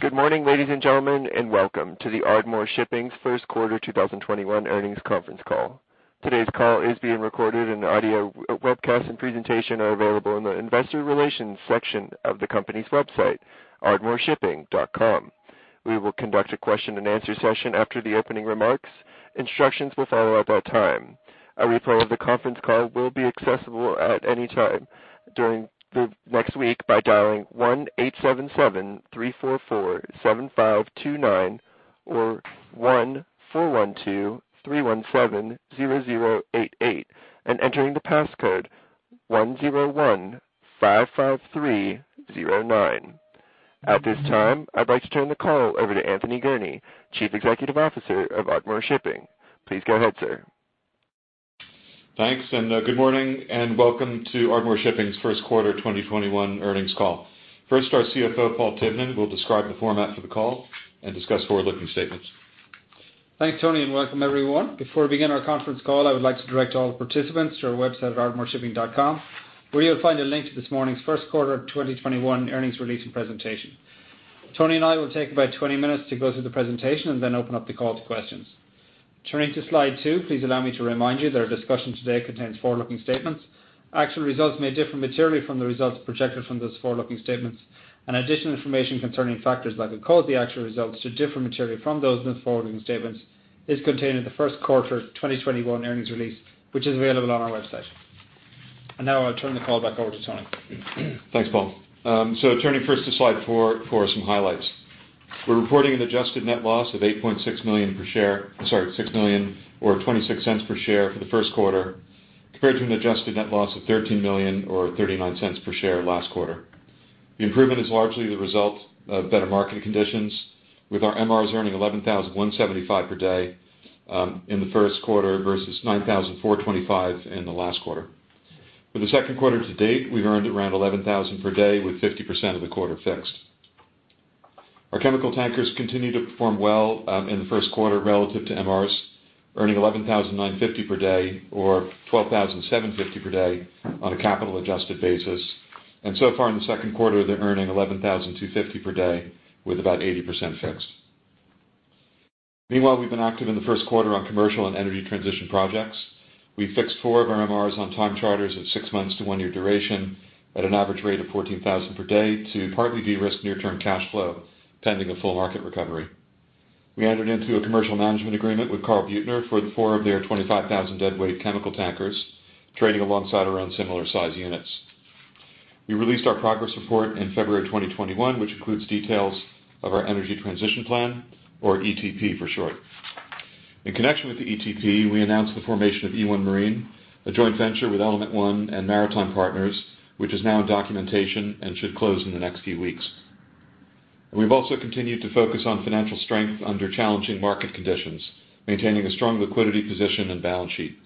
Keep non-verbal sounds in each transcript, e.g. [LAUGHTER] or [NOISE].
Good morning, ladies and gentlemen, and welcome to the Ardmore Shipping's First Quarter 2021 Earnings Conference Call. Today's call is being recorded, and the audio webcast and presentation are available in the investor relations section of the company's website, ardmoreshipping.com. We will conduct a question and answer session after the opening remarks. Instructions will follow at that time. A replay of the conference call will be accessible at any time during the next week by dialing 1-877-344-7529 or 1-412-317-0088 and entering the passcode 10155309. At this time, I'd like to turn the call over to Anthony Gurnee, Chief Executive Officer of Ardmore Shipping. Please go ahead, sir. Thanks, and good morning, and welcome to Ardmore Shipping's first quarter 2021 earnings call. First, our Chief Financial Officer, Paul Tivnan, will describe the format for the call and discuss forward-looking statements. Thanks, Anthony, and welcome everyone. Before we begin our conference call, I would like to direct all participants to our website at ardmoreshipping.com, where you'll find a link to this morning's first quarter 2021 earnings release and presentation. Anthony and I will take about 20 minutes to go through the presentation and then open up the call to questions. Turning to slide two, please allow me to remind you that our discussion today contains forward-looking statements. Actual results may differ materially from the results projected from those forward-looking statements, and additional information concerning factors that could cause the actual results to differ materially from those in the forward-looking statements is contained in the first quarter 2021 earnings release, which is available on our website. Now I'll turn the call back over to Anthony. Thanks, Paul. Turning first to slide four for some highlights. We're reporting an adjusted net loss of $6 million, or $0.26 per share for the first quarter, compared to an adjusted net loss of $13 million or $0.39 per share last quarter. The improvement is largely the result of better market conditions, with our Medium Ranges earning 11,175 per day in the first quarter versus 9,425 in the last quarter. For the second quarter to date, we've earned around 11,000 per day with 50% of the quarter fixed. Our chemical tankers continue to perform well in the first quarter relative to MRs, earning 11,950 per day or 12,750 per day on a capital adjusted basis. So far in the second quarter, they're earning 11,250 per day with about 80% fixed. Meanwhile, we've been active in the first quarter on commercial and energy transition projects. We fixed four of our MRs on time charters of six months to one-year duration at an average rate of $14,000 per day to partly de-risk near-term cash flow pending a full market recovery. We entered into a commercial management agreement with Carl Büttner for four of their 25,000 deadweight chemical tankers, trading alongside our own similar size units. We released our progress report in February 2021, which includes details of our Energy Transition Plan, or ETP for short. In connection with the ETP, we announced the formation of e1 Marine, a joint venture with Element 1 and Maritime Partners, which is now in documentation and should close in the next few weeks. We've also continued to focus on financial strength under challenging market conditions, maintaining a strong liquidity position and balance sheet.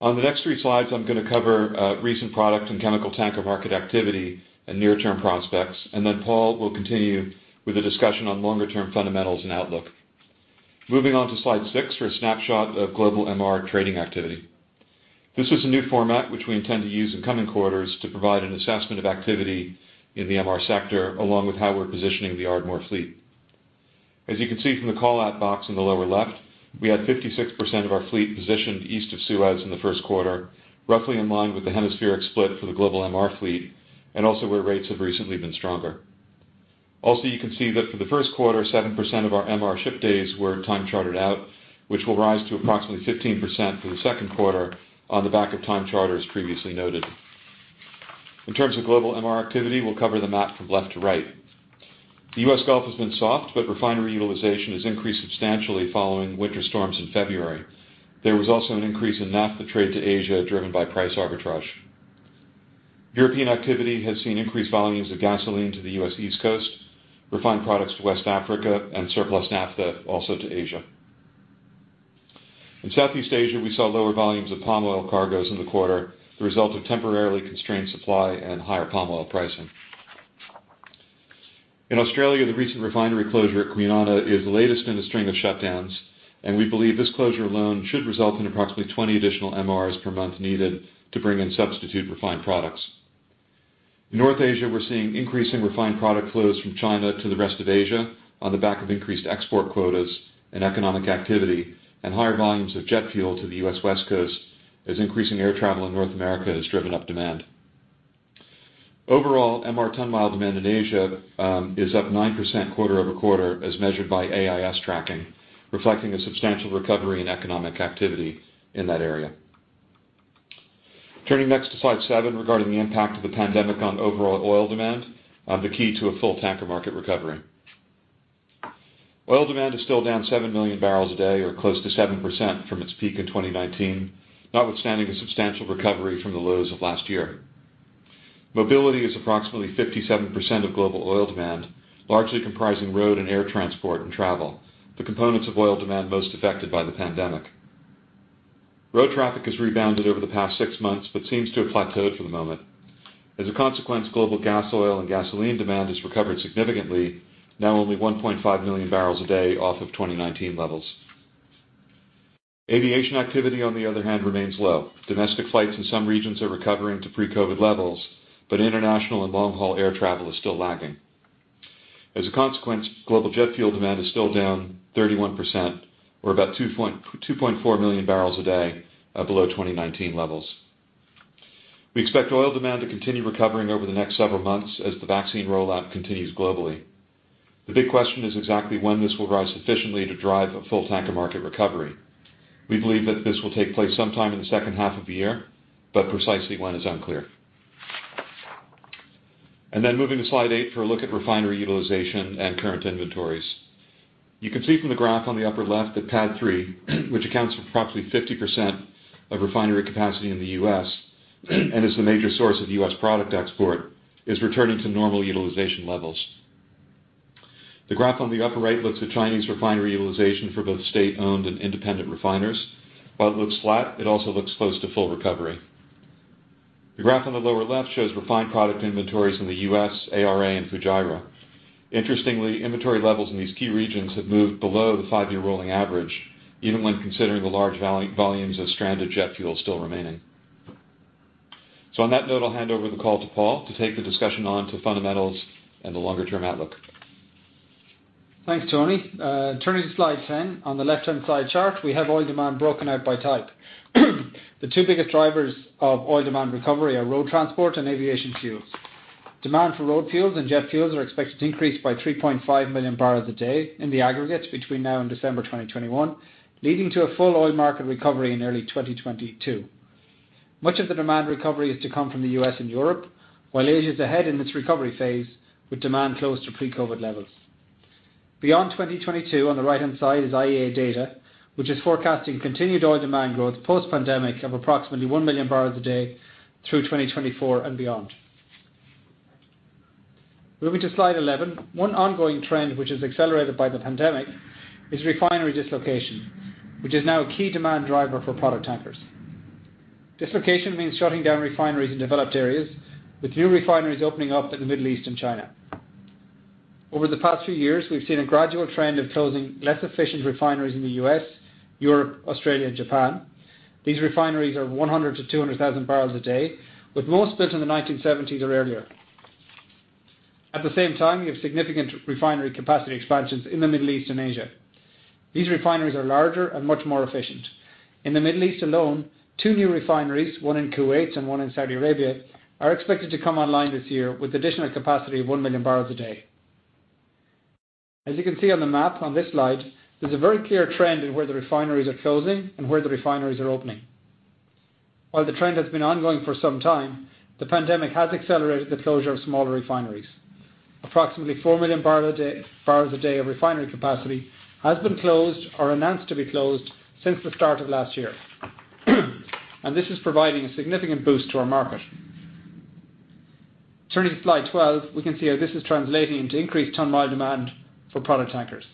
On the next three slides, I'm going to cover recent product and chemical tanker market activity and near-term prospects. Paul will continue with a discussion on longer-term fundamentals and outlook. Moving on to slide six for a snapshot of global MR trading activity. This is a new format which we intend to use in coming quarters to provide an assessment of activity in the MR sector, along with how we're positioning the Ardmore fleet. As you can see from the call-out box in the lower left, we had 56% of our fleet positioned east of Suez in the first quarter, roughly in line with the hemispheric split for the global MR fleet and also where rates have recently been stronger. You can see that for the first quarter, 7% of our MR ship days were time chartered out, which will rise to approximately 15% for the second quarter on the back of time charters previously noted. In terms of global MR activity, we'll cover the map from left to right. The U.S. Gulf has been soft, but refinery utilization has increased substantially following winter storms in February. There was also an increase in naphtha trade to Asia, driven by price arbitrage. European activity has seen increased volumes of gasoline to the U.S. East Coast, refined products to West Africa, and surplus naphtha also to Asia. In Southeast Asia, we saw lower volumes of palm oil cargoes in the quarter, the result of temporarily constrained supply and higher palm oil pricing. In Australia, the recent refinery closure at Kwinana is the latest in a string of shutdowns, and we believe this closure alone should result in approximately 20 additional MRs per month needed to bring in substitute refined products. In North Asia, we're seeing increasing refined product flows from China to the rest of Asia on the back of increased export quotas and economic activity and higher volumes of jet fuel to the U.S. West Coast as increasing air travel in North America has driven up demand. Overall, MR ton mile demand in Asia is up 9% quarter-over-quarter, as measured by Automatic Identification System tracking, reflecting a substantial recovery in economic activity in that area. Turning next to slide seven regarding the impact of the pandemic on overall oil demand, the key to a full tanker market recovery. Oil demand is still down 7 million barrels a day, or close to 7% from its peak in 2019, notwithstanding the substantial recovery from the lows of last year. Mobility is approximately 57% of global oil demand, largely comprising road and air transport and travel, the components of oil demand most affected by the pandemic. Road traffic has rebounded over the past six months but seems to have plateaued for the moment. As a consequence, global gas oil and gasoline demand has recovered significantly, now only 1.5 million bbl a day off of 2019 levels. Aviation activity, on the other hand, remains low. Domestic flights in some regions are recovering to pre-COVID levels, but international and long-haul air travel is still lagging. As a consequence, global jet fuel demand is still down 31%, or about 2.4 million bbl a day below 2019 levels. We expect oil demand to continue recovering over the next several months as the vaccine rollout continues globally. The big question is exactly when this will rise sufficiently to drive a full tanker market recovery. We believe that this will take place sometime in the second half of the year, but precisely when is unclear. Then moving to slide eight for a look at refinery utilization and current inventories. You can see from the graph on the upper left that Petroleum Administration for Defense District 3, which accounts for approximately 50% of refinery capacity in the U.S. and is the major source of U.S. product export, is returning to normal utilization levels. The graph on the upper right looks at Chinese refinery utilization for both state-owned and independent refiners. While it looks flat, it also looks close to full recovery. The graph on the lower left shows refined product inventories in the U.S., Amsterdam-Rotterdam-Antwerp, and Fujairah. Interestingly, inventory levels in these key regions have moved below the five-year rolling average, even when considering the large volumes of stranded jet fuel still remaining. On that note, I'll hand over the call to Paul to take the discussion on to fundamentals and the longer-term outlook. Thanks, Anthony. Turning to slide 10, on the left-hand side chart, we have oil demand broken out by type. The two biggest drivers of oil demand recovery are road transport and aviation fuels. Demand for road fuels and jet fuels are expected to increase by 3.5 million bbl a day in the aggregate between now and December 2021, leading to a full oil market recovery in early 2022. Much of the demand recovery is to come from the U.S. and Europe, while Asia is ahead in its recovery phase, with demand close to pre-COVID levels. Beyond 2022, on the right-hand side is International Energy Agency data, which is forecasting continued oil demand growth post-pandemic of approximately 1 million bbl a day through 2024 and beyond. Moving to slide 11, one ongoing trend which is accelerated by the pandemic is refinery dislocation, which is now a key demand driver for product tankers. Dislocation means shutting down refineries in developed areas, with new refineries opening up in the Middle East and China. Over the past few years, we've seen a gradual trend of closing less efficient refineries in the U.S., Europe, Australia, and Japan. These refineries are 100,000 to 200,000 bbl a day, with most built in the 1970s or earlier. At the same time, you have significant refinery capacity expansions in the Middle East and Asia. These refineries are larger and much more efficient. In the Middle East alone, two new refineries, one in Kuwait and one in Saudi Arabia, are expected to come online this year with additional capacity of 1 million bbl a day. As you can see on the map on this slide, there's a very clear trend in where the refineries are closing and where the refineries are opening. While the trend has been ongoing for some time, the pandemic has accelerated the closure of smaller refineries. Approximately 4 million bbl a day of refinery capacity has been closed or announced to be closed since the start of last year. This is providing a significant boost to our market. Turning to slide 12, we can see how this is translating into increased ton mile demand for product tankers.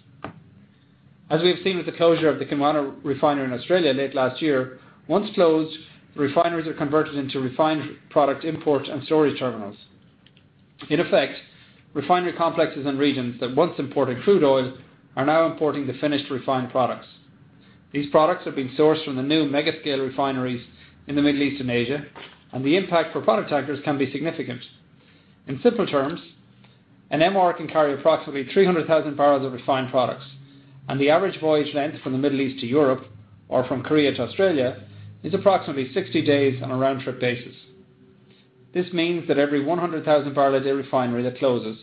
As we have seen with the closure of the Kwinana Refinery in Australia late last year, once closed, refineries are converted into refined product import and storage terminals. In effect, refinery complexes and regions that once imported crude oil are now importing the finished refined products. These products have been sourced from the new mega-scale refineries in the Middle East and Asia, and the impact for product tankers can be significant. In simple terms, an MR can carry approximately 300,000 bbl of refined products, and the average voyage length from the Middle East to Europe or from Korea to Australia is approximately 60 days on a round trip basis. This means that every 100,000 bbl a day refinery that closes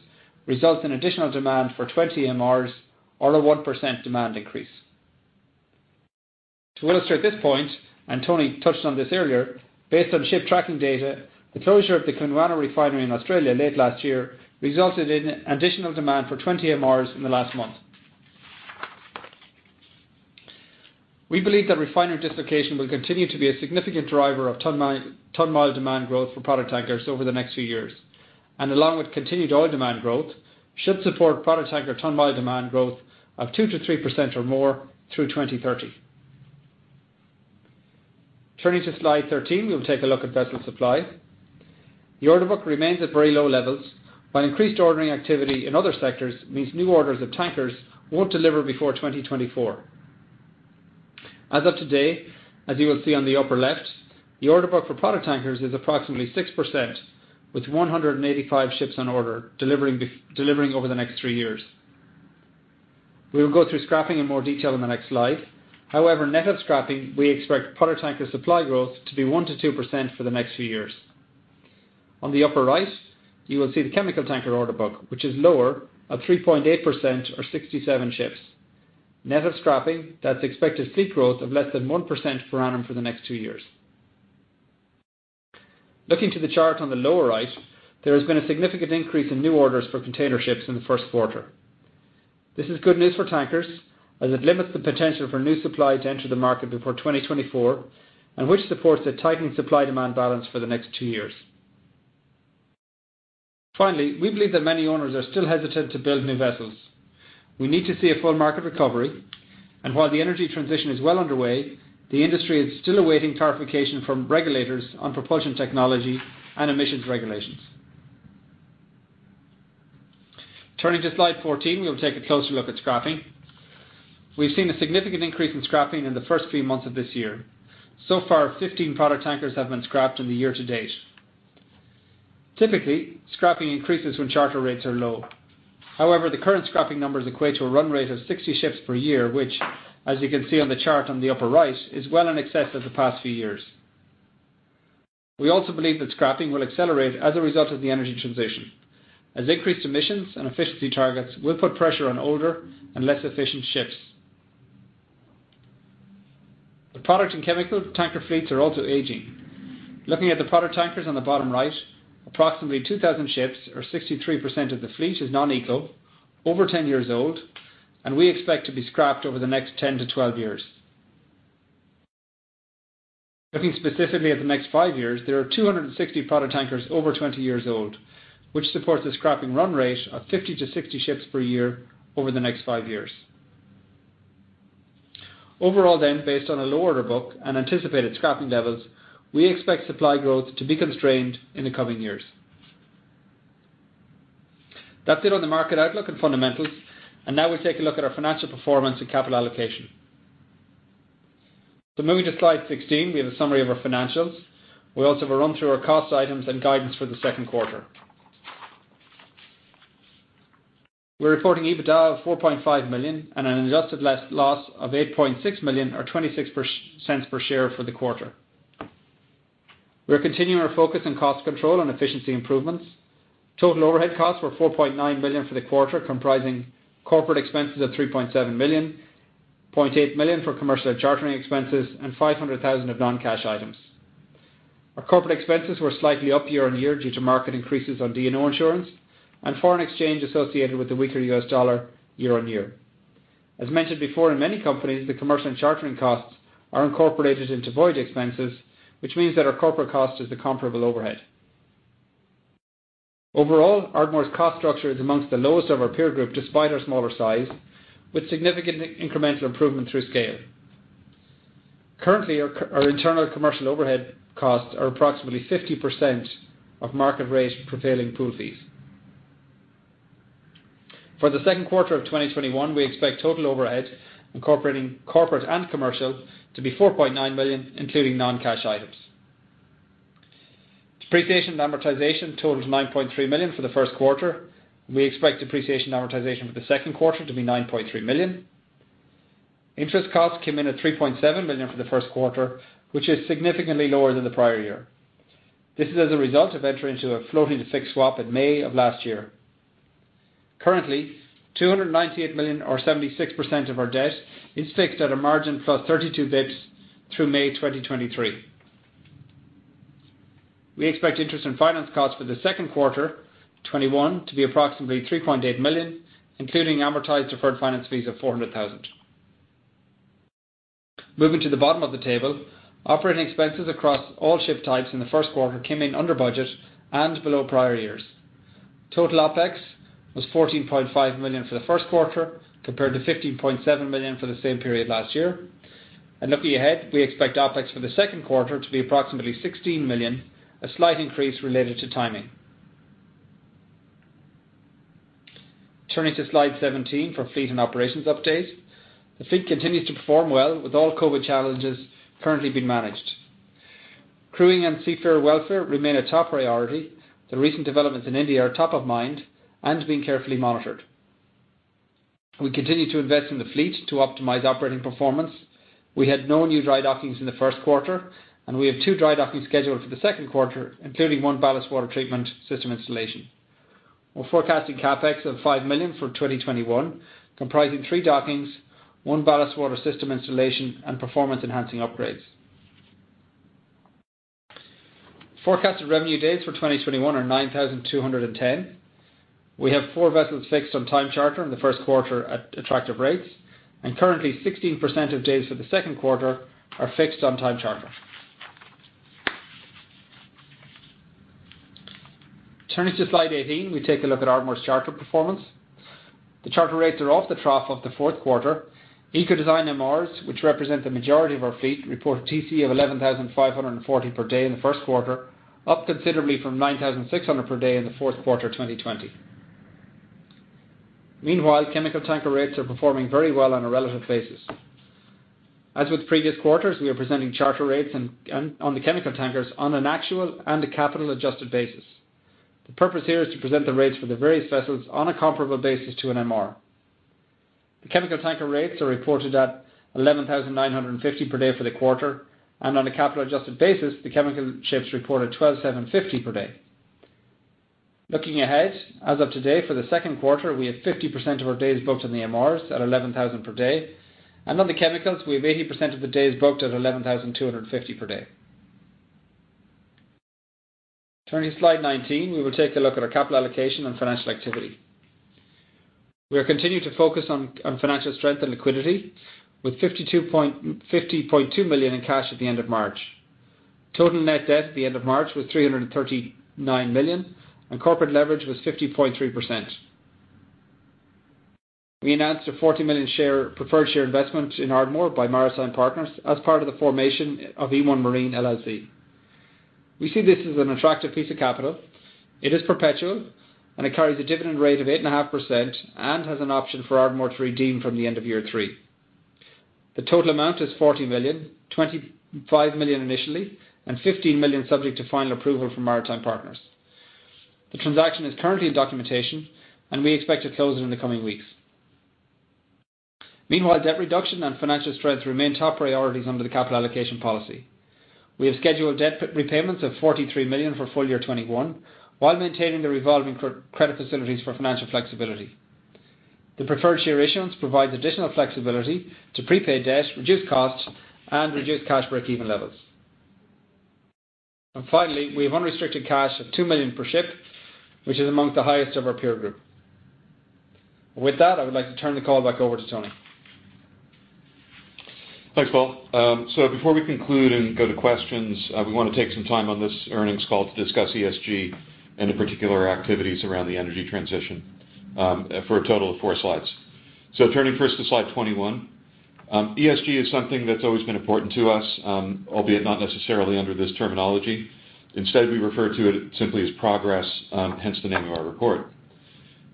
results in additional demand for 20 MRs or a 1% demand increase. To illustrate this point, and Anthony touched on this earlier, based on ship tracking data, the closure of the Kwinana Refinery in Australia late last year resulted in additional demand for 20 MRs in the last month. We believe that refinery dislocation will continue to be a significant driver of ton mile demand growth for product tankers over the next few years, and along with continued oil demand growth, should support product tanker ton mile demand growth of 2%-3% or more through 2030. Turning to slide 13, we will take a look at vessel supply. The order book remains at very low levels, while increased ordering activity in other sectors means new orders of tankers will not deliver before 2024. As of today, as you will see on the upper left, the order book for product tankers is approximately 6%, with 185 ships on order delivering over the next three years. We will go through scrapping in more detail on the next slide. However, net of scrapping, we expect product tanker supply growth to be 1% to 2% for the next few years. On the upper right, you will see the chemical tanker order book, which is lower at 3.8% or 67 ships. Net of scrapping, that is expected fleet growth of less than 1% per annum for the next two years. Looking to the chart on the lower right, there has been a significant increase in new orders for container ships in the first quarter. This is good news for tankers as it limits the potential for new supply to enter the market before 2024, and which supports a tightened supply-demand balance for the next two years. Finally, we believe that many owners are still hesitant to build new vessels. We need to see a full market recovery, and while the energy transition is well underway, the industry is still awaiting clarification from regulators on propulsion technology and emissions regulations. Turning to slide 14, we'll take a closer look at scrapping. We've seen a significant increase in scrapping in the first few months of this year. So far, 15 product tankers have been scrapped in the year to date. Typically, scrapping increases when charter rates are low. However, the current scrapping numbers equate to a run rate of 60 ships per year, which, as you can see on the chart on the upper right, is well in excess of the past few years. We also believe that scrapping will accelerate as a result of the energy transition, as increased emissions and efficiency targets will put pressure on older and less efficient ships. The product and chemical tanker fleets are also aging. Looking at the product tankers on the bottom right, approximately 2,000 ships or 63% of the fleet is non-eco, over 10 years old, and we expect to be scrapped over the next 10-12 years. Looking specifically at the next five years, there are 260 product tankers over 20 years old, which supports a scrapping run rate of 50-60 ships per year over the next five years. Overall, based on a low order book and anticipated scrapping levels, we expect supply growth to be constrained in the coming years. That's it on the market outlook and fundamentals, now we'll take a look at our financial performance and capital allocation. Moving to slide 16, we have a summary of our financials. We also have a run-through our cost items and guidance for the second quarter. We're reporting EBITDA of $4.5 million and an adjusted net loss of $8.6 million or $0.26 per share for the quarter. We're continuing our focus on cost control and efficiency improvements. Total overhead costs were $4.9 million for the quarter, comprising corporate expenses of $3.7 million, $0.8 million for commercial chartering expenses, and $500,000 of non-cash items. Our corporate expenses were slightly up year-on-year due to market increases on D&O insurance and foreign exchange associated with the weaker US dollar year-on-year. As mentioned before, in many companies, the commercial and chartering costs are incorporated into voyage expenses, which means that our corporate cost is the comparable overhead. Overall, Ardmore's cost structure is amongst the lowest of our peer group despite our smaller size, with significant incremental improvement through scale. Currently, our internal commercial overhead costs are approximately 50% of market rate prevailing pool fees. For the second quarter of 2021, we expect total overhead, incorporating corporate and commercial, to be $4.9 million, including non-cash items. Depreciation and amortization totaled $9.3 million for the first quarter. We expect depreciation and amortization for the second quarter to be $9.3 million. Interest costs came in at $3.7 million for the first quarter, which is significantly lower than the prior year. This is as a result of entering into a floating-to-fixed swap in May of last year. Currently, $298 million or 76% of our debt is fixed at a margin plus 32 basis points through May 2023. We expect interest and finance costs for the second quarter 2021 to be approximately $3.8 million, including amortized deferred finance fees of $400,000. Moving to the bottom of the table, operating expenses across all ship types in the first quarter came in under budget and below prior years. Total OpEx was $14.5 million for the first quarter, compared to $15.7 million for the same period last year. Looking ahead, we expect OpEx for the second quarter to be approximately $16 million, a slight increase related to timing. Turning to slide 17 for fleet and operations update. The fleet continues to perform well with all COVID challenges currently being managed. Crewing and seafarer welfare remain a top priority. The recent developments in India are top of mind and being carefully monitored. We continue to invest in the fleet to optimize operating performance. We had no new dry dockings in the first quarter, and we have two dry dockings scheduled for the second quarter, including one ballast water treatment system installation. We're forecasting CapEx of $5 million for 2021, comprising three dockings, one ballast water system installation, and performance-enhancing upgrades. Forecasted revenue days for 2021 are 9,210. We have four vessels fixed on time charter in the first quarter at attractive rates, and currently, 16% of days for the second quarter are fixed on time charter. Turning to slide 18, we take a look at Ardmore's charter performance. The charter rates are off the trough of the fourth quarter. Eco design MRs, which represent the majority of our fleet, report a time charter of $11,540 per day in the first quarter, up considerably from $9,600 per day in the fourth quarter of 2020. Meanwhile, chemical tanker rates are performing very well on a relative basis. As with previous quarters, we are presenting charter rates on the chemical tankers on an actual and a capital adjusted basis. The purpose here is to present the rates for the various vessels on a comparable basis to an MR. The chemical tanker rates are reported at $11,950 per day for the quarter, and on a capital adjusted basis, the chemical ships reported $12,750 per day. Looking ahead, as of today for the second quarter, we have 50% of our days booked in the MRs at $11,000 per day, and on the chemicals, we have 80% of the days booked at $11,250 per day. Turning to slide 19, we will take a look at our capital allocation and financial activity. We are continuing to focus on financial strength and liquidity with $50.2 million in cash at the end of March. Total net debt at the end of March was $339 million, and corporate leverage was 50.3%. We announced a $40 million preferred share investment in Ardmore by Maritime Partners as part of the formation of e1 Marine LLC. We see this as an attractive piece of capital. It is perpetual, and it carries a dividend rate of 8.5% and has an option for Ardmore to redeem from the end of year three. The total amount is $40 million, $25 million initially, and $15 million subject to final approval from Maritime Partners. The transaction is currently in documentation, and we expect to close it in the coming weeks. Meanwhile, debt reduction and financial strength remain top priorities under the capital allocation policy. We have scheduled debt repayments of $43 million for full year 2021, while maintaining the revolving credit facilities for financial flexibility. The preferred share issuance provides additional flexibility to prepay debt, reduced costs, and reduced cash break-even levels. Finally, we have unrestricted cash of $2 million per ship, which is amongst the highest of our peer group. With that, I would like to turn the call back over to Anthony. Thanks, Paul. Before we conclude and go to questions, we want to take some time on this earnings call to discuss environmental, social, and governance and the particular activities around the energy transition for a total of four slides. Turning first to slide 21. ESG is something that's always been important to us, albeit not necessarily under this terminology. Instead, we refer to it simply as progress, hence the name of our report.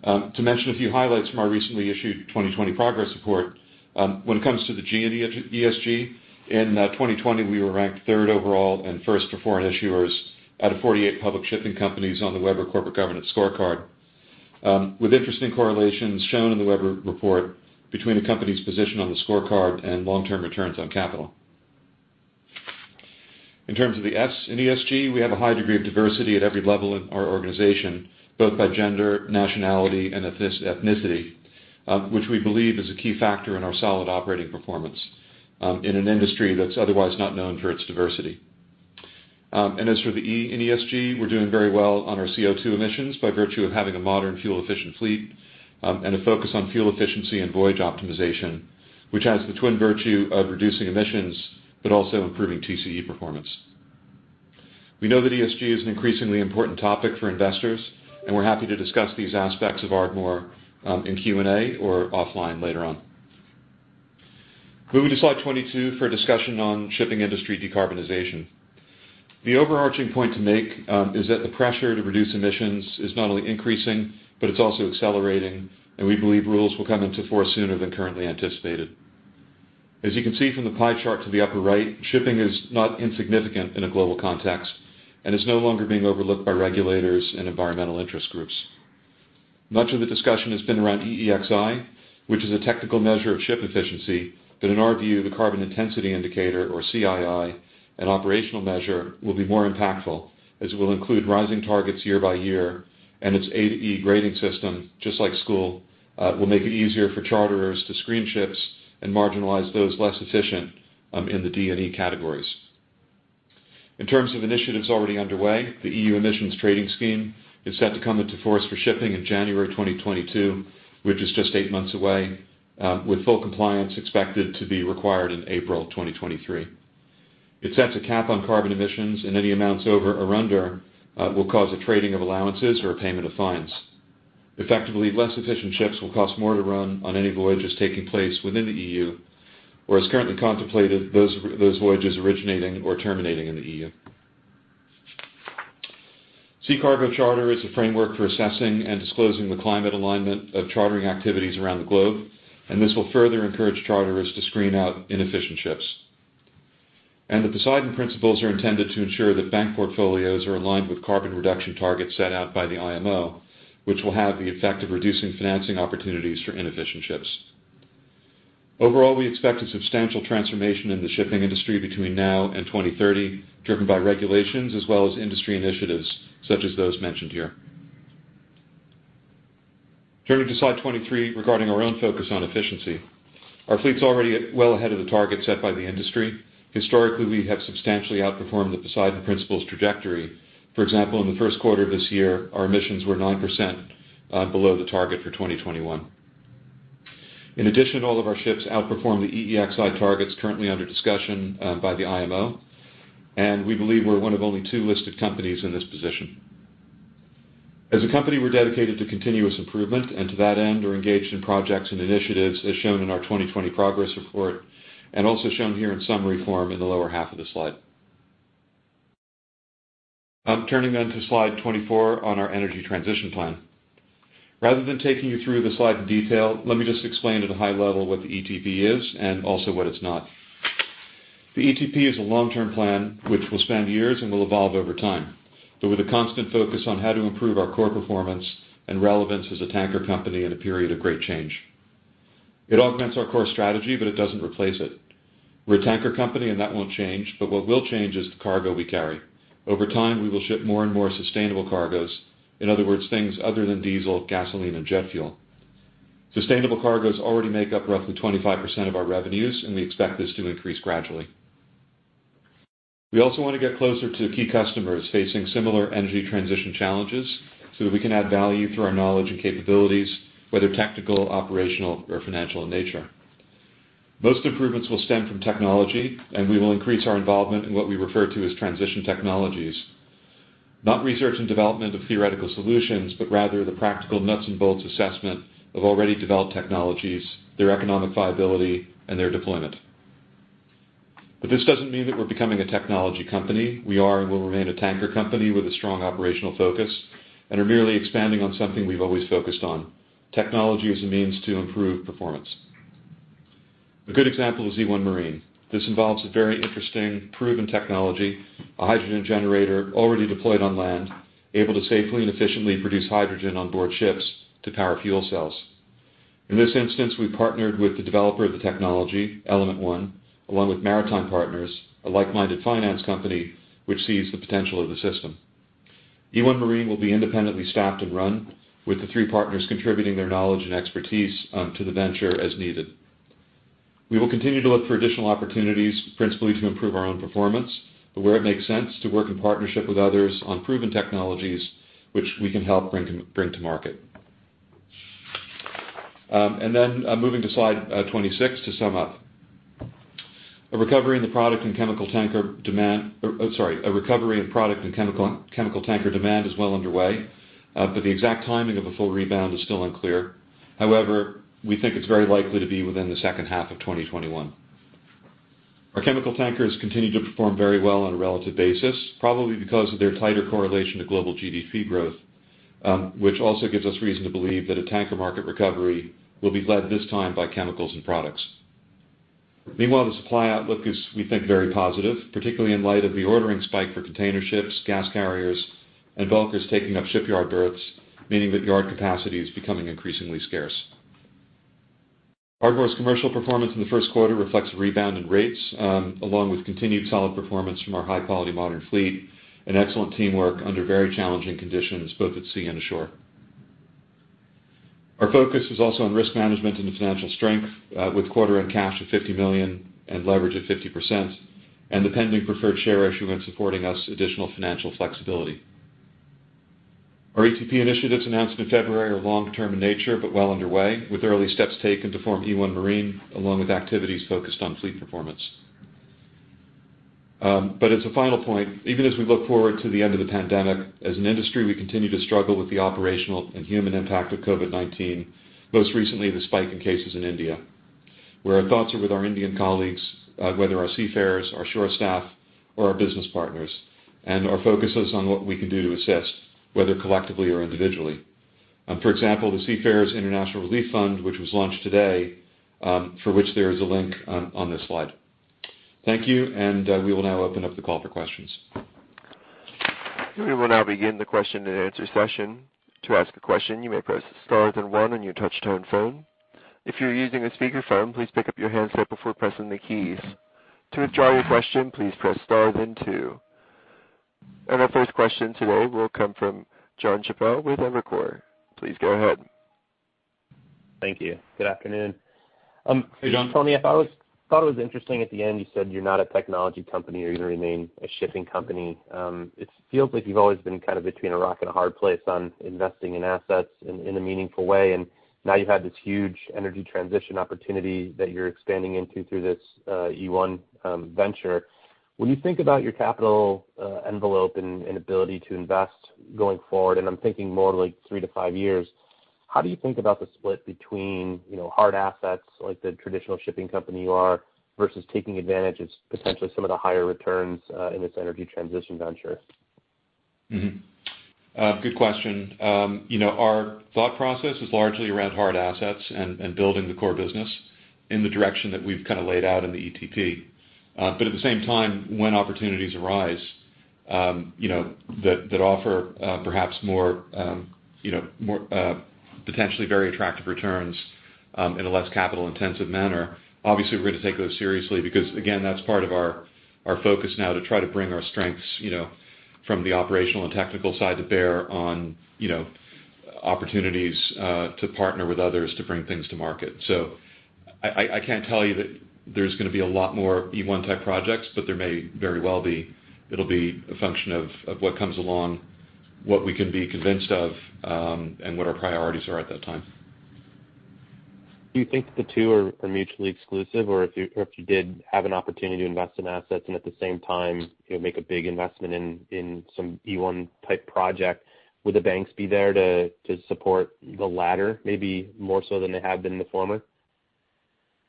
To mention a few highlights from our recently issued 2020 progress report, when it comes to the G in ESG, in 2020, we were ranked third overall and first for foreign issuers out of 48 public shipping companies on the Webber Corporate Governance Scorecard. With interesting correlations shown in the Webber report between a company's position on the scorecard and long-term returns on capital. In terms of the S in ESG, we have a high degree of diversity at every level in our organization, both by gender, nationality, and ethnicity, which we believe is a key factor in our solid operating performance in an industry that's otherwise not known for its diversity. As for the E in ESG, we're doing very well on our CO2 emissions by virtue of having a modern fuel-efficient fleet and a focus on fuel efficiency and voyage optimization, which has the twin virtue of reducing emissions but also improving time charter equivalent performance. We know that ESG is an increasingly important topic for investors, and we're happy to discuss these aspects of Ardmore in Q&A or offline later on. Moving to slide 22 for a discussion on shipping industry decarbonization. The overarching point to make is that the pressure to reduce emissions is not only increasing, but it's also accelerating. We believe rules will come into force sooner than currently anticipated. As you can see from the pie chart to the upper right, shipping is not insignificant in a global context and is no longer being overlooked by regulators and environmental interest groups. Much of the discussion has been around EEXI, which is a technical measure of ship efficiency. In our view, the Carbon Intensity Indicator, or CII, an operational measure, will be more impactful as it will include rising targets year by year, and its A to E grading system, just like school, will make it easier for charterers to screen ships and marginalize those less efficient in the D and E categories. In terms of initiatives already underway, the EU Emissions Trading System is set to come into force for shipping in January 2022, which is just eight months away, with full compliance expected to be required in April 2023. It sets a cap on carbon emissions, and any amounts over or under will cause a trading of allowances or a payment of fines. Effectively, less efficient ships will cost more to run on any voyages taking place within the EU, or as currently contemplated, those voyages originating or terminating in the EU. Sea Cargo Charter is a framework for assessing and disclosing the climate alignment of chartering activities around the globe, and this will further encourage charterers to screen out inefficient ships. The Poseidon Principles are intended to ensure that bank portfolios are aligned with carbon reduction targets set out by the International Maritime Organization, which will have the effect of reducing financing opportunities for inefficient ships. Overall, we expect a substantial transformation in the shipping industry between now and 2030, driven by regulations as well as industry initiatives such as those mentioned here. Turning to slide 23, regarding our own focus on efficiency. Our fleet's already well ahead of the target set by the industry. Historically, we have substantially outperformed the Poseidon Principles trajectory. For example, in the first quarter of this year, our emissions were 9% below the target for 2021. In addition, all of our ships outperform the EEXI targets currently under discussion by the IMO, and we believe we're one of only two listed companies in this position. As a company, we're dedicated to continuous improvement, and to that end, are engaged in projects and initiatives as shown in our 2020 progress report and also shown here in summary form in the lower half of the slide. I'm turning then to slide 24 on our Energy Transition Plan. Rather than taking you through the slide in detail, let me just explain at a high level what the Energy Transition Plan is and also what it's not. The ETP is a long-term plan which will span years and will evolve over time, but with a constant focus on how to improve our core performance and relevance as a tanker company in a period of great change. It augments our core strategy, but it doesn't replace it. We're a tanker company, and that won't change, but what will change is the cargo we carry. Over time, we will ship more and more sustainable cargoes. In other words, things other than diesel, gasoline, and jet fuel. Sustainable cargoes already make up roughly 25% of our revenues, and we expect this to increase gradually. We also want to get closer to key customers facing similar energy transition challenges so that we can add value through our knowledge and capabilities, whether technical, operational, or financial in nature. Most improvements will stem from technology, and we will increase our involvement in what we refer to as transition technologies. Not research and development of theoretical solutions, but rather the practical nuts and bolts assessment of already developed technologies, their economic viability, and their deployment. This doesn't mean that we're becoming a technology company. We are and will remain a tanker company with a strong operational focus, and are merely expanding on something we've always focused on, technology as a means to improve performance. A good example is e1 Marine. This involves a very interesting proven technology, a hydrogen generator already deployed on land, able to safely and efficiently produce hydrogen on board ships to power fuel cells. In this instance, we partnered with the developer of the technology, Element 1 Corp., along with Maritime Partners, LLC, a like-minded finance company which sees the potential of the system. e1 Marine will be independently staffed and run with the three partners contributing their knowledge and expertise to the venture as needed. We will continue to look for additional opportunities, principally to improve our own performance, but where it makes sense, to work in partnership with others on proven technologies which we can help bring to market. Moving to slide 26 to sum up. A recovery in the product and chemical tanker demand is well underway, but the exact timing of a full rebound is still unclear. However, we think it's very likely to be within the second half of 2021. Our chemical tankers continue to perform very well on a relative basis, probably because of their tighter correlation to global gross domestic product growth, which also gives us reason to believe that a tanker market recovery will be led this time by chemicals and products. Meanwhile, the supply outlook is, we think, very positive, particularly in light of the ordering spike for container ships, gas carriers, and bulkers taking up shipyard berths, meaning that yard capacity is becoming increasingly scarce. Ardmore's commercial performance in the first quarter reflects a rebound in rates, along with continued solid performance from our high-quality modern fleet and excellent teamwork under very challenging conditions, both at sea and ashore. Our focus was also on risk management and financial strength, with quarter-end cash of $50 million and leverage of 50%, and the pending preferred share issuance supporting us additional financial flexibility. Our ETP initiatives announced in February are long-term in nature, but well underway, with early steps taken to form e1 Marine, along with activities focused on fleet performance. As a final point, even as we look forward to the end of the pandemic, as an industry, we continue to struggle with the operational and human impact of COVID-19, most recently the spike in cases in India, where our thoughts are with our Indian colleagues, whether our seafarers, our shore staff, or our business partners. Our focus is on what we can do to assist, whether collectively or individually. For example, the Seafarers International Relief Fund, which was launched today, for which there is a link on this slide. Thank you, and we will now open up the call for questions. We will now begin the question and answer session. To ask a question, you may press star then one on your touch-tone phone. If you're using a speakerphone, please pick up your handset before pressing the keys. To withdraw your question, please press star then two. Our first question today will come from Jonathan Chappell with Evercore. Please go ahead. Thank you. Good afternoon. Hey, Jonathan. Anthony, I thought it was interesting at the end, you said you're not a technology company, you're going to remain a shipping company. It feels like you've always been kind of between a rock and a hard place on investing in assets in a meaningful way, and now you've had this huge energy transition opportunity that you're expanding into through this e1 venture. When you think about your capital envelope and ability to invest going forward, and I'm thinking more like three to five years, how do you think about the split between hard assets, like the traditional shipping company you are, versus taking advantage of potentially some of the higher returns in this energy transition venture? Good question. Our thought process is largely around hard assets and building the core business in the direction that we've kind of laid out in the ETP. At the same time, when opportunities arise that offer perhaps more potentially very attractive returns in a less capital-intensive manner, obviously we're going to take those seriously because, again, that's part of our focus now to try to bring our strengths from the operational and technical side to bear on opportunities to partner with others to bring things to market. I can't tell you that there's going to be a lot more e1-type projects, but there may very well be. It'll be a function of what comes along, what we can be convinced of, and what our priorities are at that time. Do you think the two are mutually exclusive? If you did have an opportunity to invest in assets and at the same time make a big investment in some e1-type project, would the banks be there to support the latter maybe more so than they have been in the former?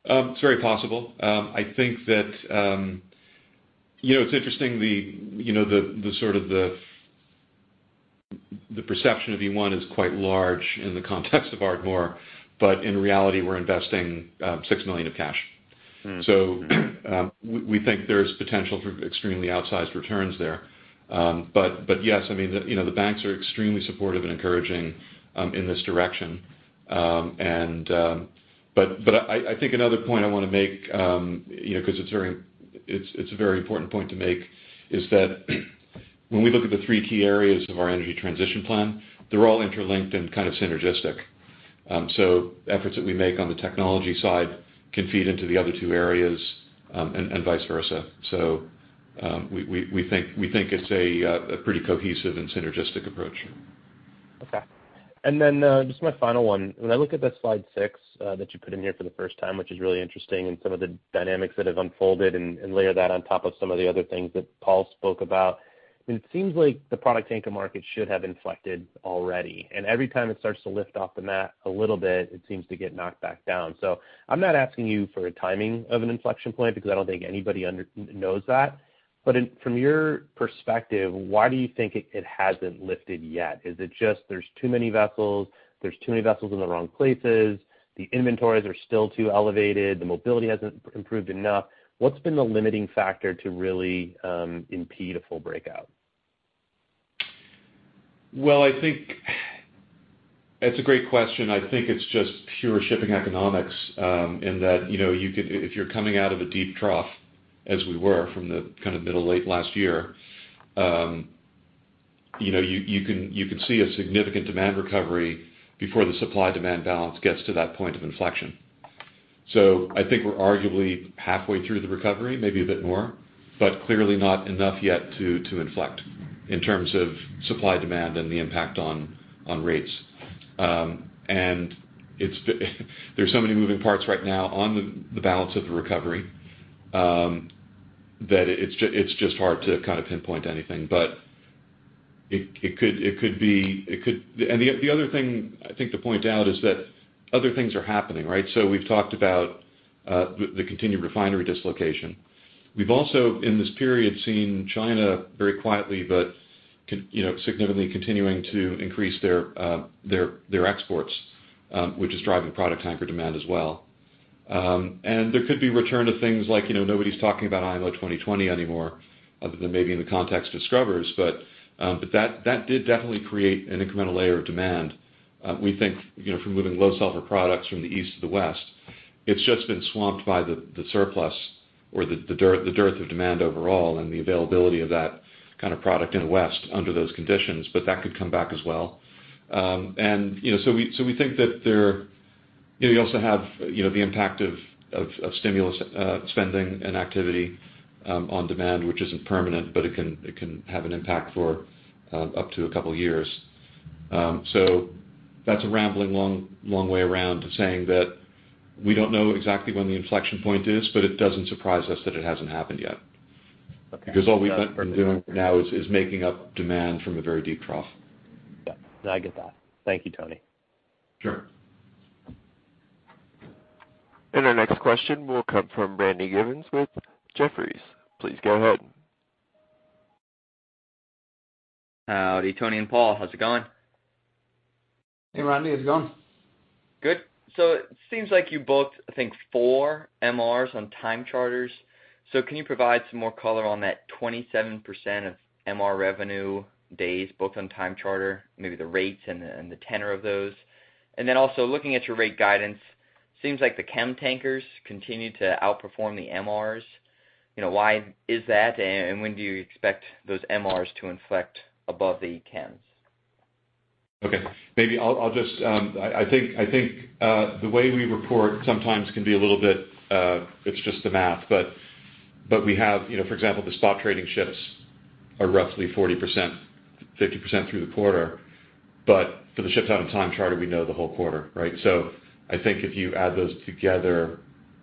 It's very possible. It's interesting, the perception of e1 is quite large in the context of Ardmore, but in reality, we're investing $6 million of cash. We think there's potential for extremely outsized returns there. Yes, the banks are extremely supportive and encouraging in this direction. I think another point I want to make, because it's a very important point to make, is that when we look at the three key areas of our energy transition plan, they're all interlinked and kind of synergistic. Efforts that we make on the technology side can feed into the other two areas, and vice versa. We think it's a pretty cohesive and synergistic approach. Okay. Just my final one. When I look at the slide six that you put in here for the first time, which is really interesting, and some of the dynamics that have unfolded and layer that on top of some of the other things that Paul spoke about, it seems like the product tanker market should have inflected already, and every time it starts to lift off the mat a little bit, it seems to get knocked back down. I'm not asking you for a timing of an inflection point because I don't think anybody knows that. From your perspective, why do you think it hasn't lifted yet? Is it just there's too many vessels, there's too many vessels in the wrong places, the inventories are still too elevated, the mobility hasn't improved enough? What's been the limiting factor to really impede a full breakout? I think it's a great question. I think it's just pure shipping economics in that if you're coming out of a deep trough, as we were from the kind of middle late last year, you can see a significant demand recovery before the supply-demand balance gets to that point of inflection. I think we're arguably halfway through the recovery, maybe a bit more, but clearly not enough yet to inflect in terms of supply, demand, and the impact on rates. There's so many moving parts right now on the balance of the recovery, that it's just hard to kind of pinpoint anything. The other thing I think to point out is that other things are happening, right? We've talked about the continued refinery dislocation. We've also, in this period, seen China very quietly but significantly continuing to increase their exports, which is driving product tanker demand as well. There could be return of things like, nobody's talking about IMO 2020 anymore, other than maybe in the context of scrubbers, but that did definitely create an incremental layer of demand. We think from moving low sulfur products from the East to the West, it's just been swamped by the surplus or the dearth of demand overall and the availability of that kind of product in the West under those conditions, but that could come back as well. You also have the impact of stimulus spending and activity on demand, which isn't permanent, but it can have an impact for up to a couple of years. That's a rambling long way around to saying that we don't know exactly when the inflection point is, but it doesn't surprise us that it hasn't happened yet. Okay. All we've been doing now is making up demand from a very deep trough. Yeah. No, I get that. Thank you, Anthony. Sure. Our next question will come from Randy Giveans with Jefferies. Please go ahead. Howdy, Anthony and Paul. How's it going? Hey, Randy. How's it going? Good. It seems like you booked, I think, four MRs on time charters. Can you provide some more color on that 27% of MR revenue days booked on time charter? Maybe the rates and the tenor of those. Also looking at your rate guidance, seems like the chem tankers continue to outperform the MRs. Why is that, and when do you expect those MRs to inflect above the chems? Okay. I think the way we report sometimes can be a little bit it's just the math. We have, for example, the spot trading ships are roughly 40%, 50% through the quarter, but for the ships out on time charter, we know the whole quarter, right? I think if you add those together,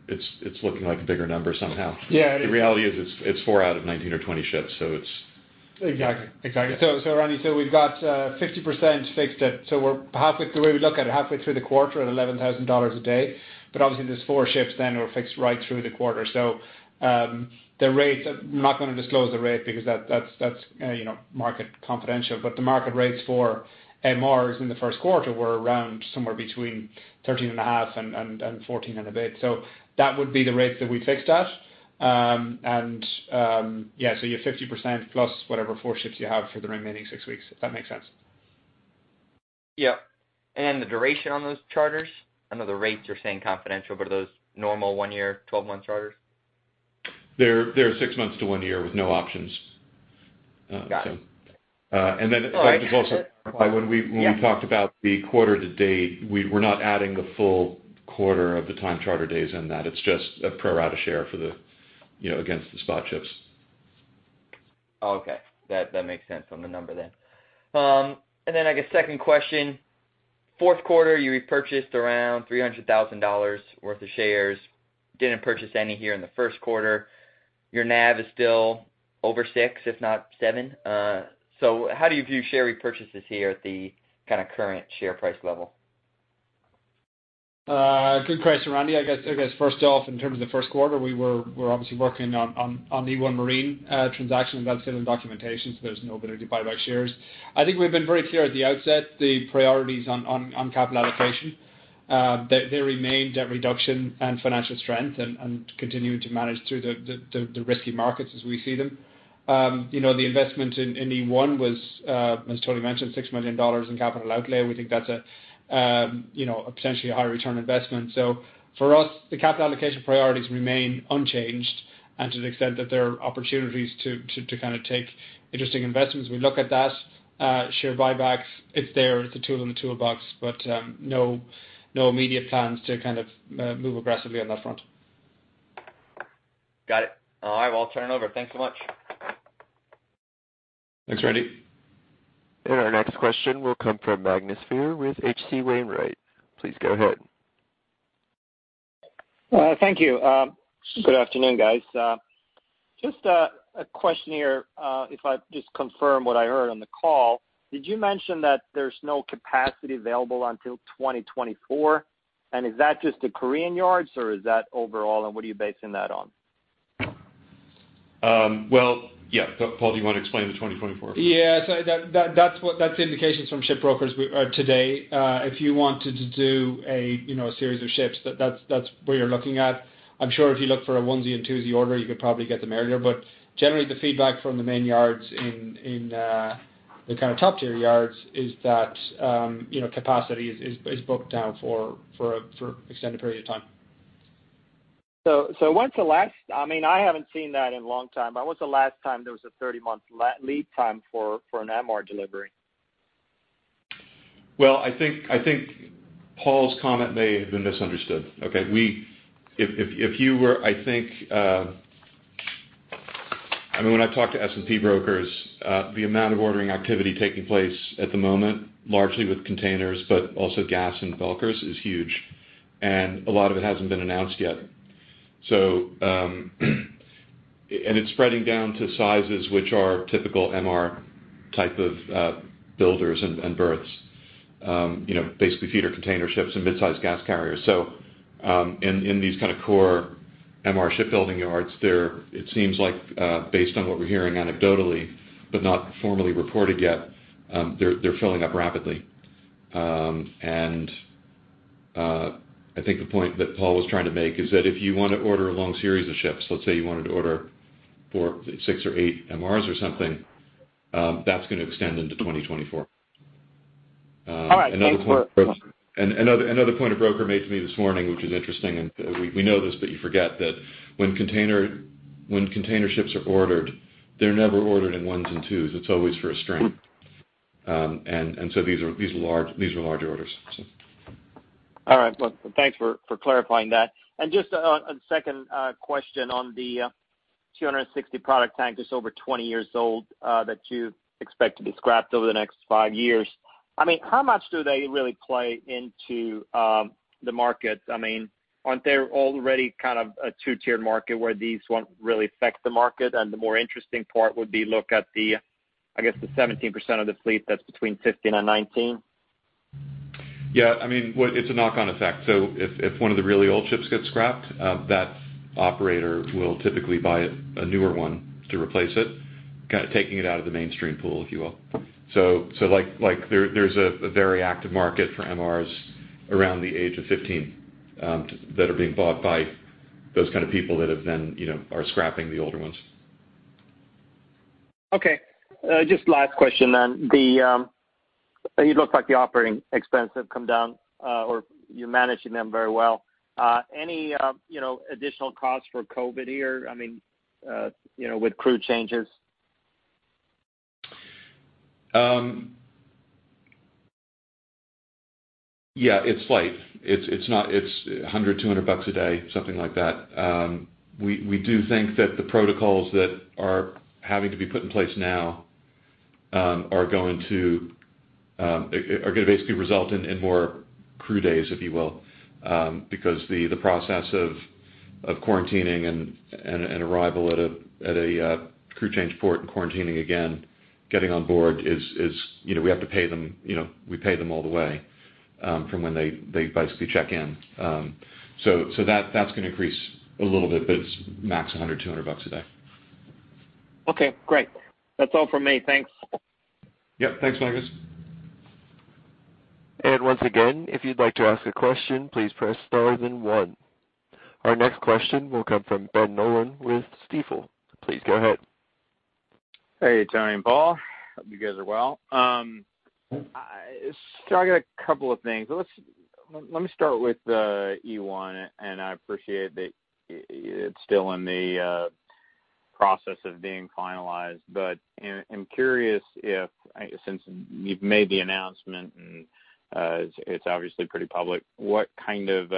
it's looking like a bigger number somehow. Yeah. The reality is it's 20 out of 19 or 20 ships. Exactly. Randy, so we've got 50% fixed at, so the way we look at it, halfway through the quarter at $11,000 a day. Obviously, there's four ships then who are fixed right through the quarter. I'm not going to disclose the rate because that's market confidential. The market rates for MRs in the first quarter were around somewhere between $13.5 and $14 and a bit. That would be the rates that we fixed at. Yeah, you're 50%+ whatever four ships you have for the remaining six weeks, if that makes sense. Yep. The duration on those charters? I know the rates you're saying confidential, but are those normal one year, 12-month charters? They're six months to one year with no options. Got it. And then [CROSSTALK] just also, when we [CROSSTALK] talked about the quarter to date, we were not adding the full quarter of the time charter days in that. It's just a pro rata share against the spot ships. Oh, okay. That makes sense on the number then. I guess second question. Fourth quarter, you repurchased around $300,000 worth of shares. Didn't purchase any here in the first quarter. Your net asset value is still over six, if not seven. How do you view share repurchases here at the kind of current share price level? Good question, Randy. I guess first off, in terms of the first quarter, we were obviously working on the e1 Marine transaction. We got to finish the documentation, there's no ability to buy back shares. I think we've been very clear at the outset the priorities on capital allocation. They remain debt reduction and financial strength and continuing to manage through the risky markets as we see them. The investment in e1 was, as Anthony mentioned, $6 million in capital outlay. We think that's a potentially high return investment. For us, the capital allocation priorities remain unchanged, and to the extent that there are opportunities to kind of take interesting investments, we look at that. Share buybacks, it's there. It's a tool in the toolbox, no immediate plans to kind of move aggressively on that front. Got it. All right, well, I'll turn it over. Thanks so much. Thanks, Randy. Our next question will come from Magnus Fyhr with H.C. Wainwright. Please go ahead. Thank you. Good afternoon, guys. Just a question here, if I just confirm what I heard on the call. Did you mention that there's no capacity available until 2024? Is that just the Korean yards or is that overall? What are you basing that on? Well, yeah. Paul, do you want to explain the 2024? Yeah. That's the indications from ship brokers today. If you wanted to do a series of ships, that's where you're looking at. I'm sure if you look for a onesie and twosie order, you could probably get them earlier. Generally, the feedback from the main yards in the kind of top-tier yards is that capacity is booked out for extended period of time. When's the last I mean, I haven't seen that in a long time, but when's the last time there was a 30-month lead time for an MR delivery? Well, I think Paul's comment may have been misunderstood. Okay. I mean, when I've talked to S&P brokers, the amount of ordering activity taking place at the moment, largely with containers, but also gas and bulkers, is huge, and a lot of it hasn't been announced yet. It's spreading down to sizes which are typical MR type of builders and berths. Basically feeder container ships and mid-size gas carriers. In these kind of core MR shipbuilding yards, it seems like based on what we're hearing anecdotally, but not formally reported yet, they're filling up rapidly. I think the point that Paul was trying to make is that if you want to order a long series of ships, let's say you wanted to order six or eight MRs or something, that's going to extend into 2024. All right. Thanks for. [CROSSTALK] Another point a broker made to me this morning, which is interesting, and we know this but you forget, that when container ships are ordered, they're never ordered in ones and twos. It's always for a string. These are large orders. All right. Well, thanks for clarifying that. Just a second question on the 260 product tankers that's over 20 years old, that you expect to be scrapped over the next five years. I mean, how much do they really play into the markets? I mean, aren't they already kind of a two-tiered market where these won't really affect the market and the more interesting part would be look at the, I guess, the 17% of the fleet that's between 15 and 19? Yeah, I mean, it's a knock-on effect. If one of the really old ships gets scrapped, that operator will typically buy a newer one to replace it, kind of taking it out of the mainstream pool, if you will. There's a very active market for MRs around the age of 15, that are being bought by those kind of people that have then are scrapping the older ones. Okay. Just last question then. It looks like the operating expenses have come down, or you're managing them very well. Any additional cost for COVID here? I mean, with crew changes. Yeah, it's slight. It's $100, $200 a day, something like that. We do think that the protocols that are having to be put in place now are going to basically result in more crew days, if you will. The process of quarantining and arrival at a crew change port and quarantining again, getting on board. We have to pay them all the way, from when they basically check in. That's going to increase a little bit, but it's max $100, $200 a day. Okay, great. That is all from me. Thanks. Yep. Thanks, Magnus. Once again, if you'd like to ask a question, please press star then one. Our next question will come from Ben Nolan with Stifel. Please go ahead. Hey, Anthony and Paul. Hope you guys are well. I got a couple of things. Let me start with the e1, and I appreciate that it's still in the process of being finalized, but I'm curious if since you've made the announcement and it's obviously pretty public, what kind of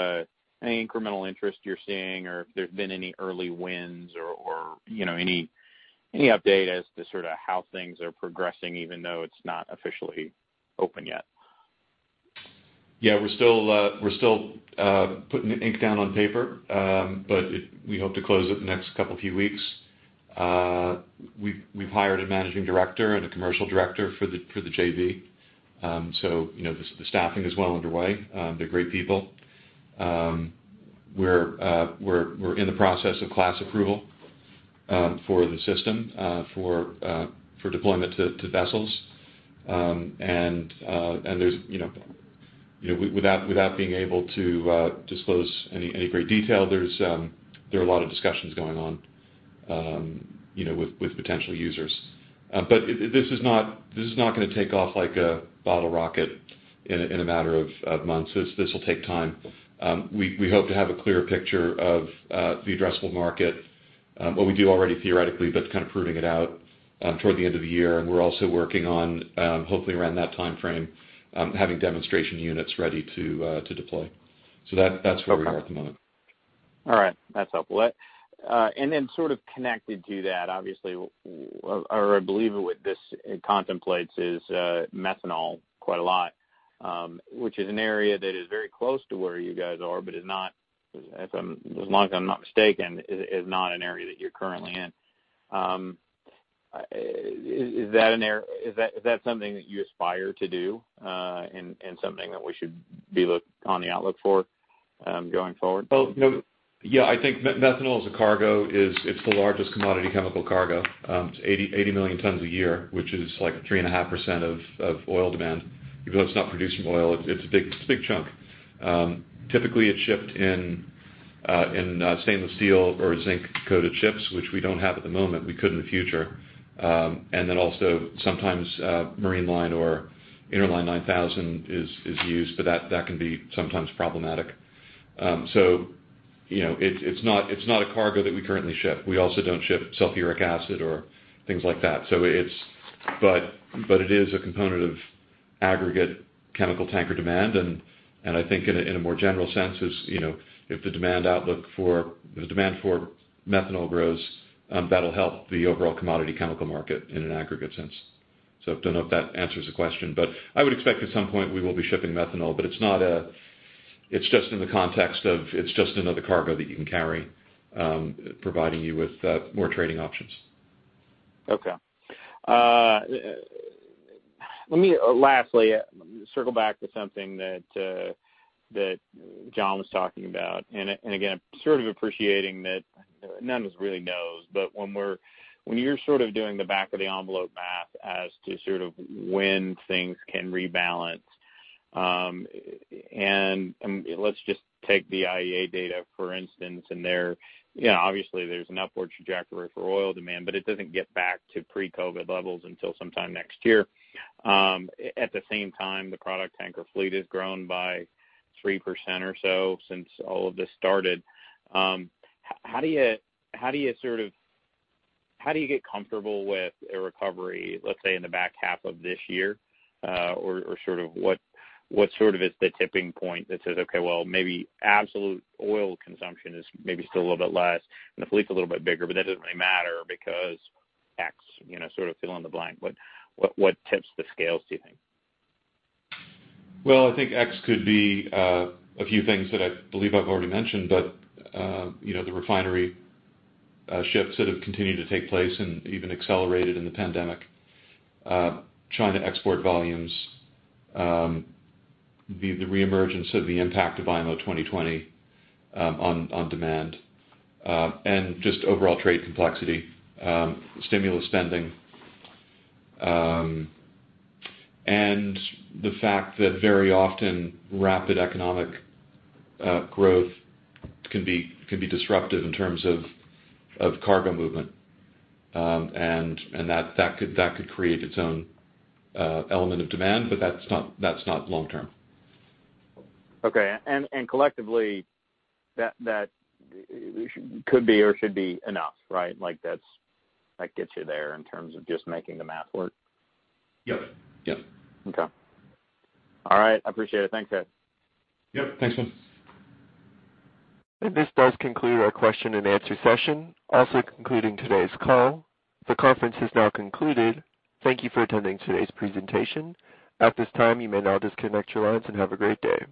any incremental interest you're seeing or if there's been any early wins or any update as to sort of how things are progressing even though it's not officially open yet? We're still putting the ink down on paper, but we hope to close it in the next couple few weeks. We've hired a managing director and a commercial director for the JV. The staffing is well underway. They're great people. We're in the process of class approval for the system for deployment to vessels. Without being able to disclose any great detail, there are a lot of discussions going on with potential users. This is not going to take off like a bottle rocket in a matter of months. This will take time. We hope to have a clearer picture of the addressable market. Well, we do already theoretically, but it's kind of proving it out toward the end of the year, and we're also working on, hopefully around that timeframe, having demonstration units ready to deploy. That's where we are at the moment. All right. That's helpful. Sort of connected to that, obviously, or I believe what this contemplates is methanol quite a lot, which is an area that is very close to where you guys are, but as long as I'm not mistaken, is not an area that you're currently in. Is that something that you aspire to do and something that we should be on the outlook for going forward? Yeah, I think methanol as a cargo is the largest commodity chemical cargo. It's 80 million tons a year, which is like 3.5% of oil demand. Even though it's not produced from oil, it's a big chunk. Typically, it's shipped in stainless steel or zinc-coated ships, which we don't have at the moment, but we could in the future. Also sometimes MarineLINE or Interline 9001 is used, but that can be sometimes problematic. It's not a cargo that we currently ship. We also don't ship sulfuric acid or things like that. It is a component of aggregate chemical tanker demand, and I think in a more general sense is, if the demand for methanol grows, that'll help the overall commodity chemical market in an aggregate sense. Don't know if that answers the question, but I would expect at some point we will be shipping methanol, but it's just in the context of, it's just another cargo that you can carry, providing you with more trading options. Okay. Let me lastly circle back to something that Jonathan Chappell was talking about, again, sort of appreciating that none of us really knows, when you're sort of doing the back of the envelope math as to sort of when things can rebalance. Let's just take the IEA data, for instance, obviously there's an upward trajectory for oil demand, it doesn't get back to pre-COVID levels until sometime next year. At the same time, the product tanker fleet has grown by 3% or so since all of this started. How do you get comfortable with a recovery, let's say, in the back half of this year? What sort of is the tipping point that says, "Okay, well, maybe absolute oil consumption is maybe still a little bit less and the fleet's a little bit bigger, but that doesn't really matter because X." Sort of fill in the blank. What tips the scales, do you think? Well, I think X could be a few things that I believe I've already mentioned, but the refinery shifts that have continued to take place and even accelerated in the pandemic. China export volumes, the reemergence of the impact of IMO 2020 on demand, and just overall trade complexity, stimulus spending, and the fact that very often rapid economic growth can be disruptive in terms of cargo movement. That could create its own element of demand, but that's not long-term. Okay. Collectively, that could be or should be enough, right? Like that gets you there in terms of just making the math work. Yep. Okay. All right. I appreciate it. Thanks, guys. Yep. Thanks, Ben Nolan. And this does conclude our question and answer session, also concluding today's call. The conference has now concluded. Thank you for attending today's presentation. At this time, you may now disconnect your lines, and have a great day.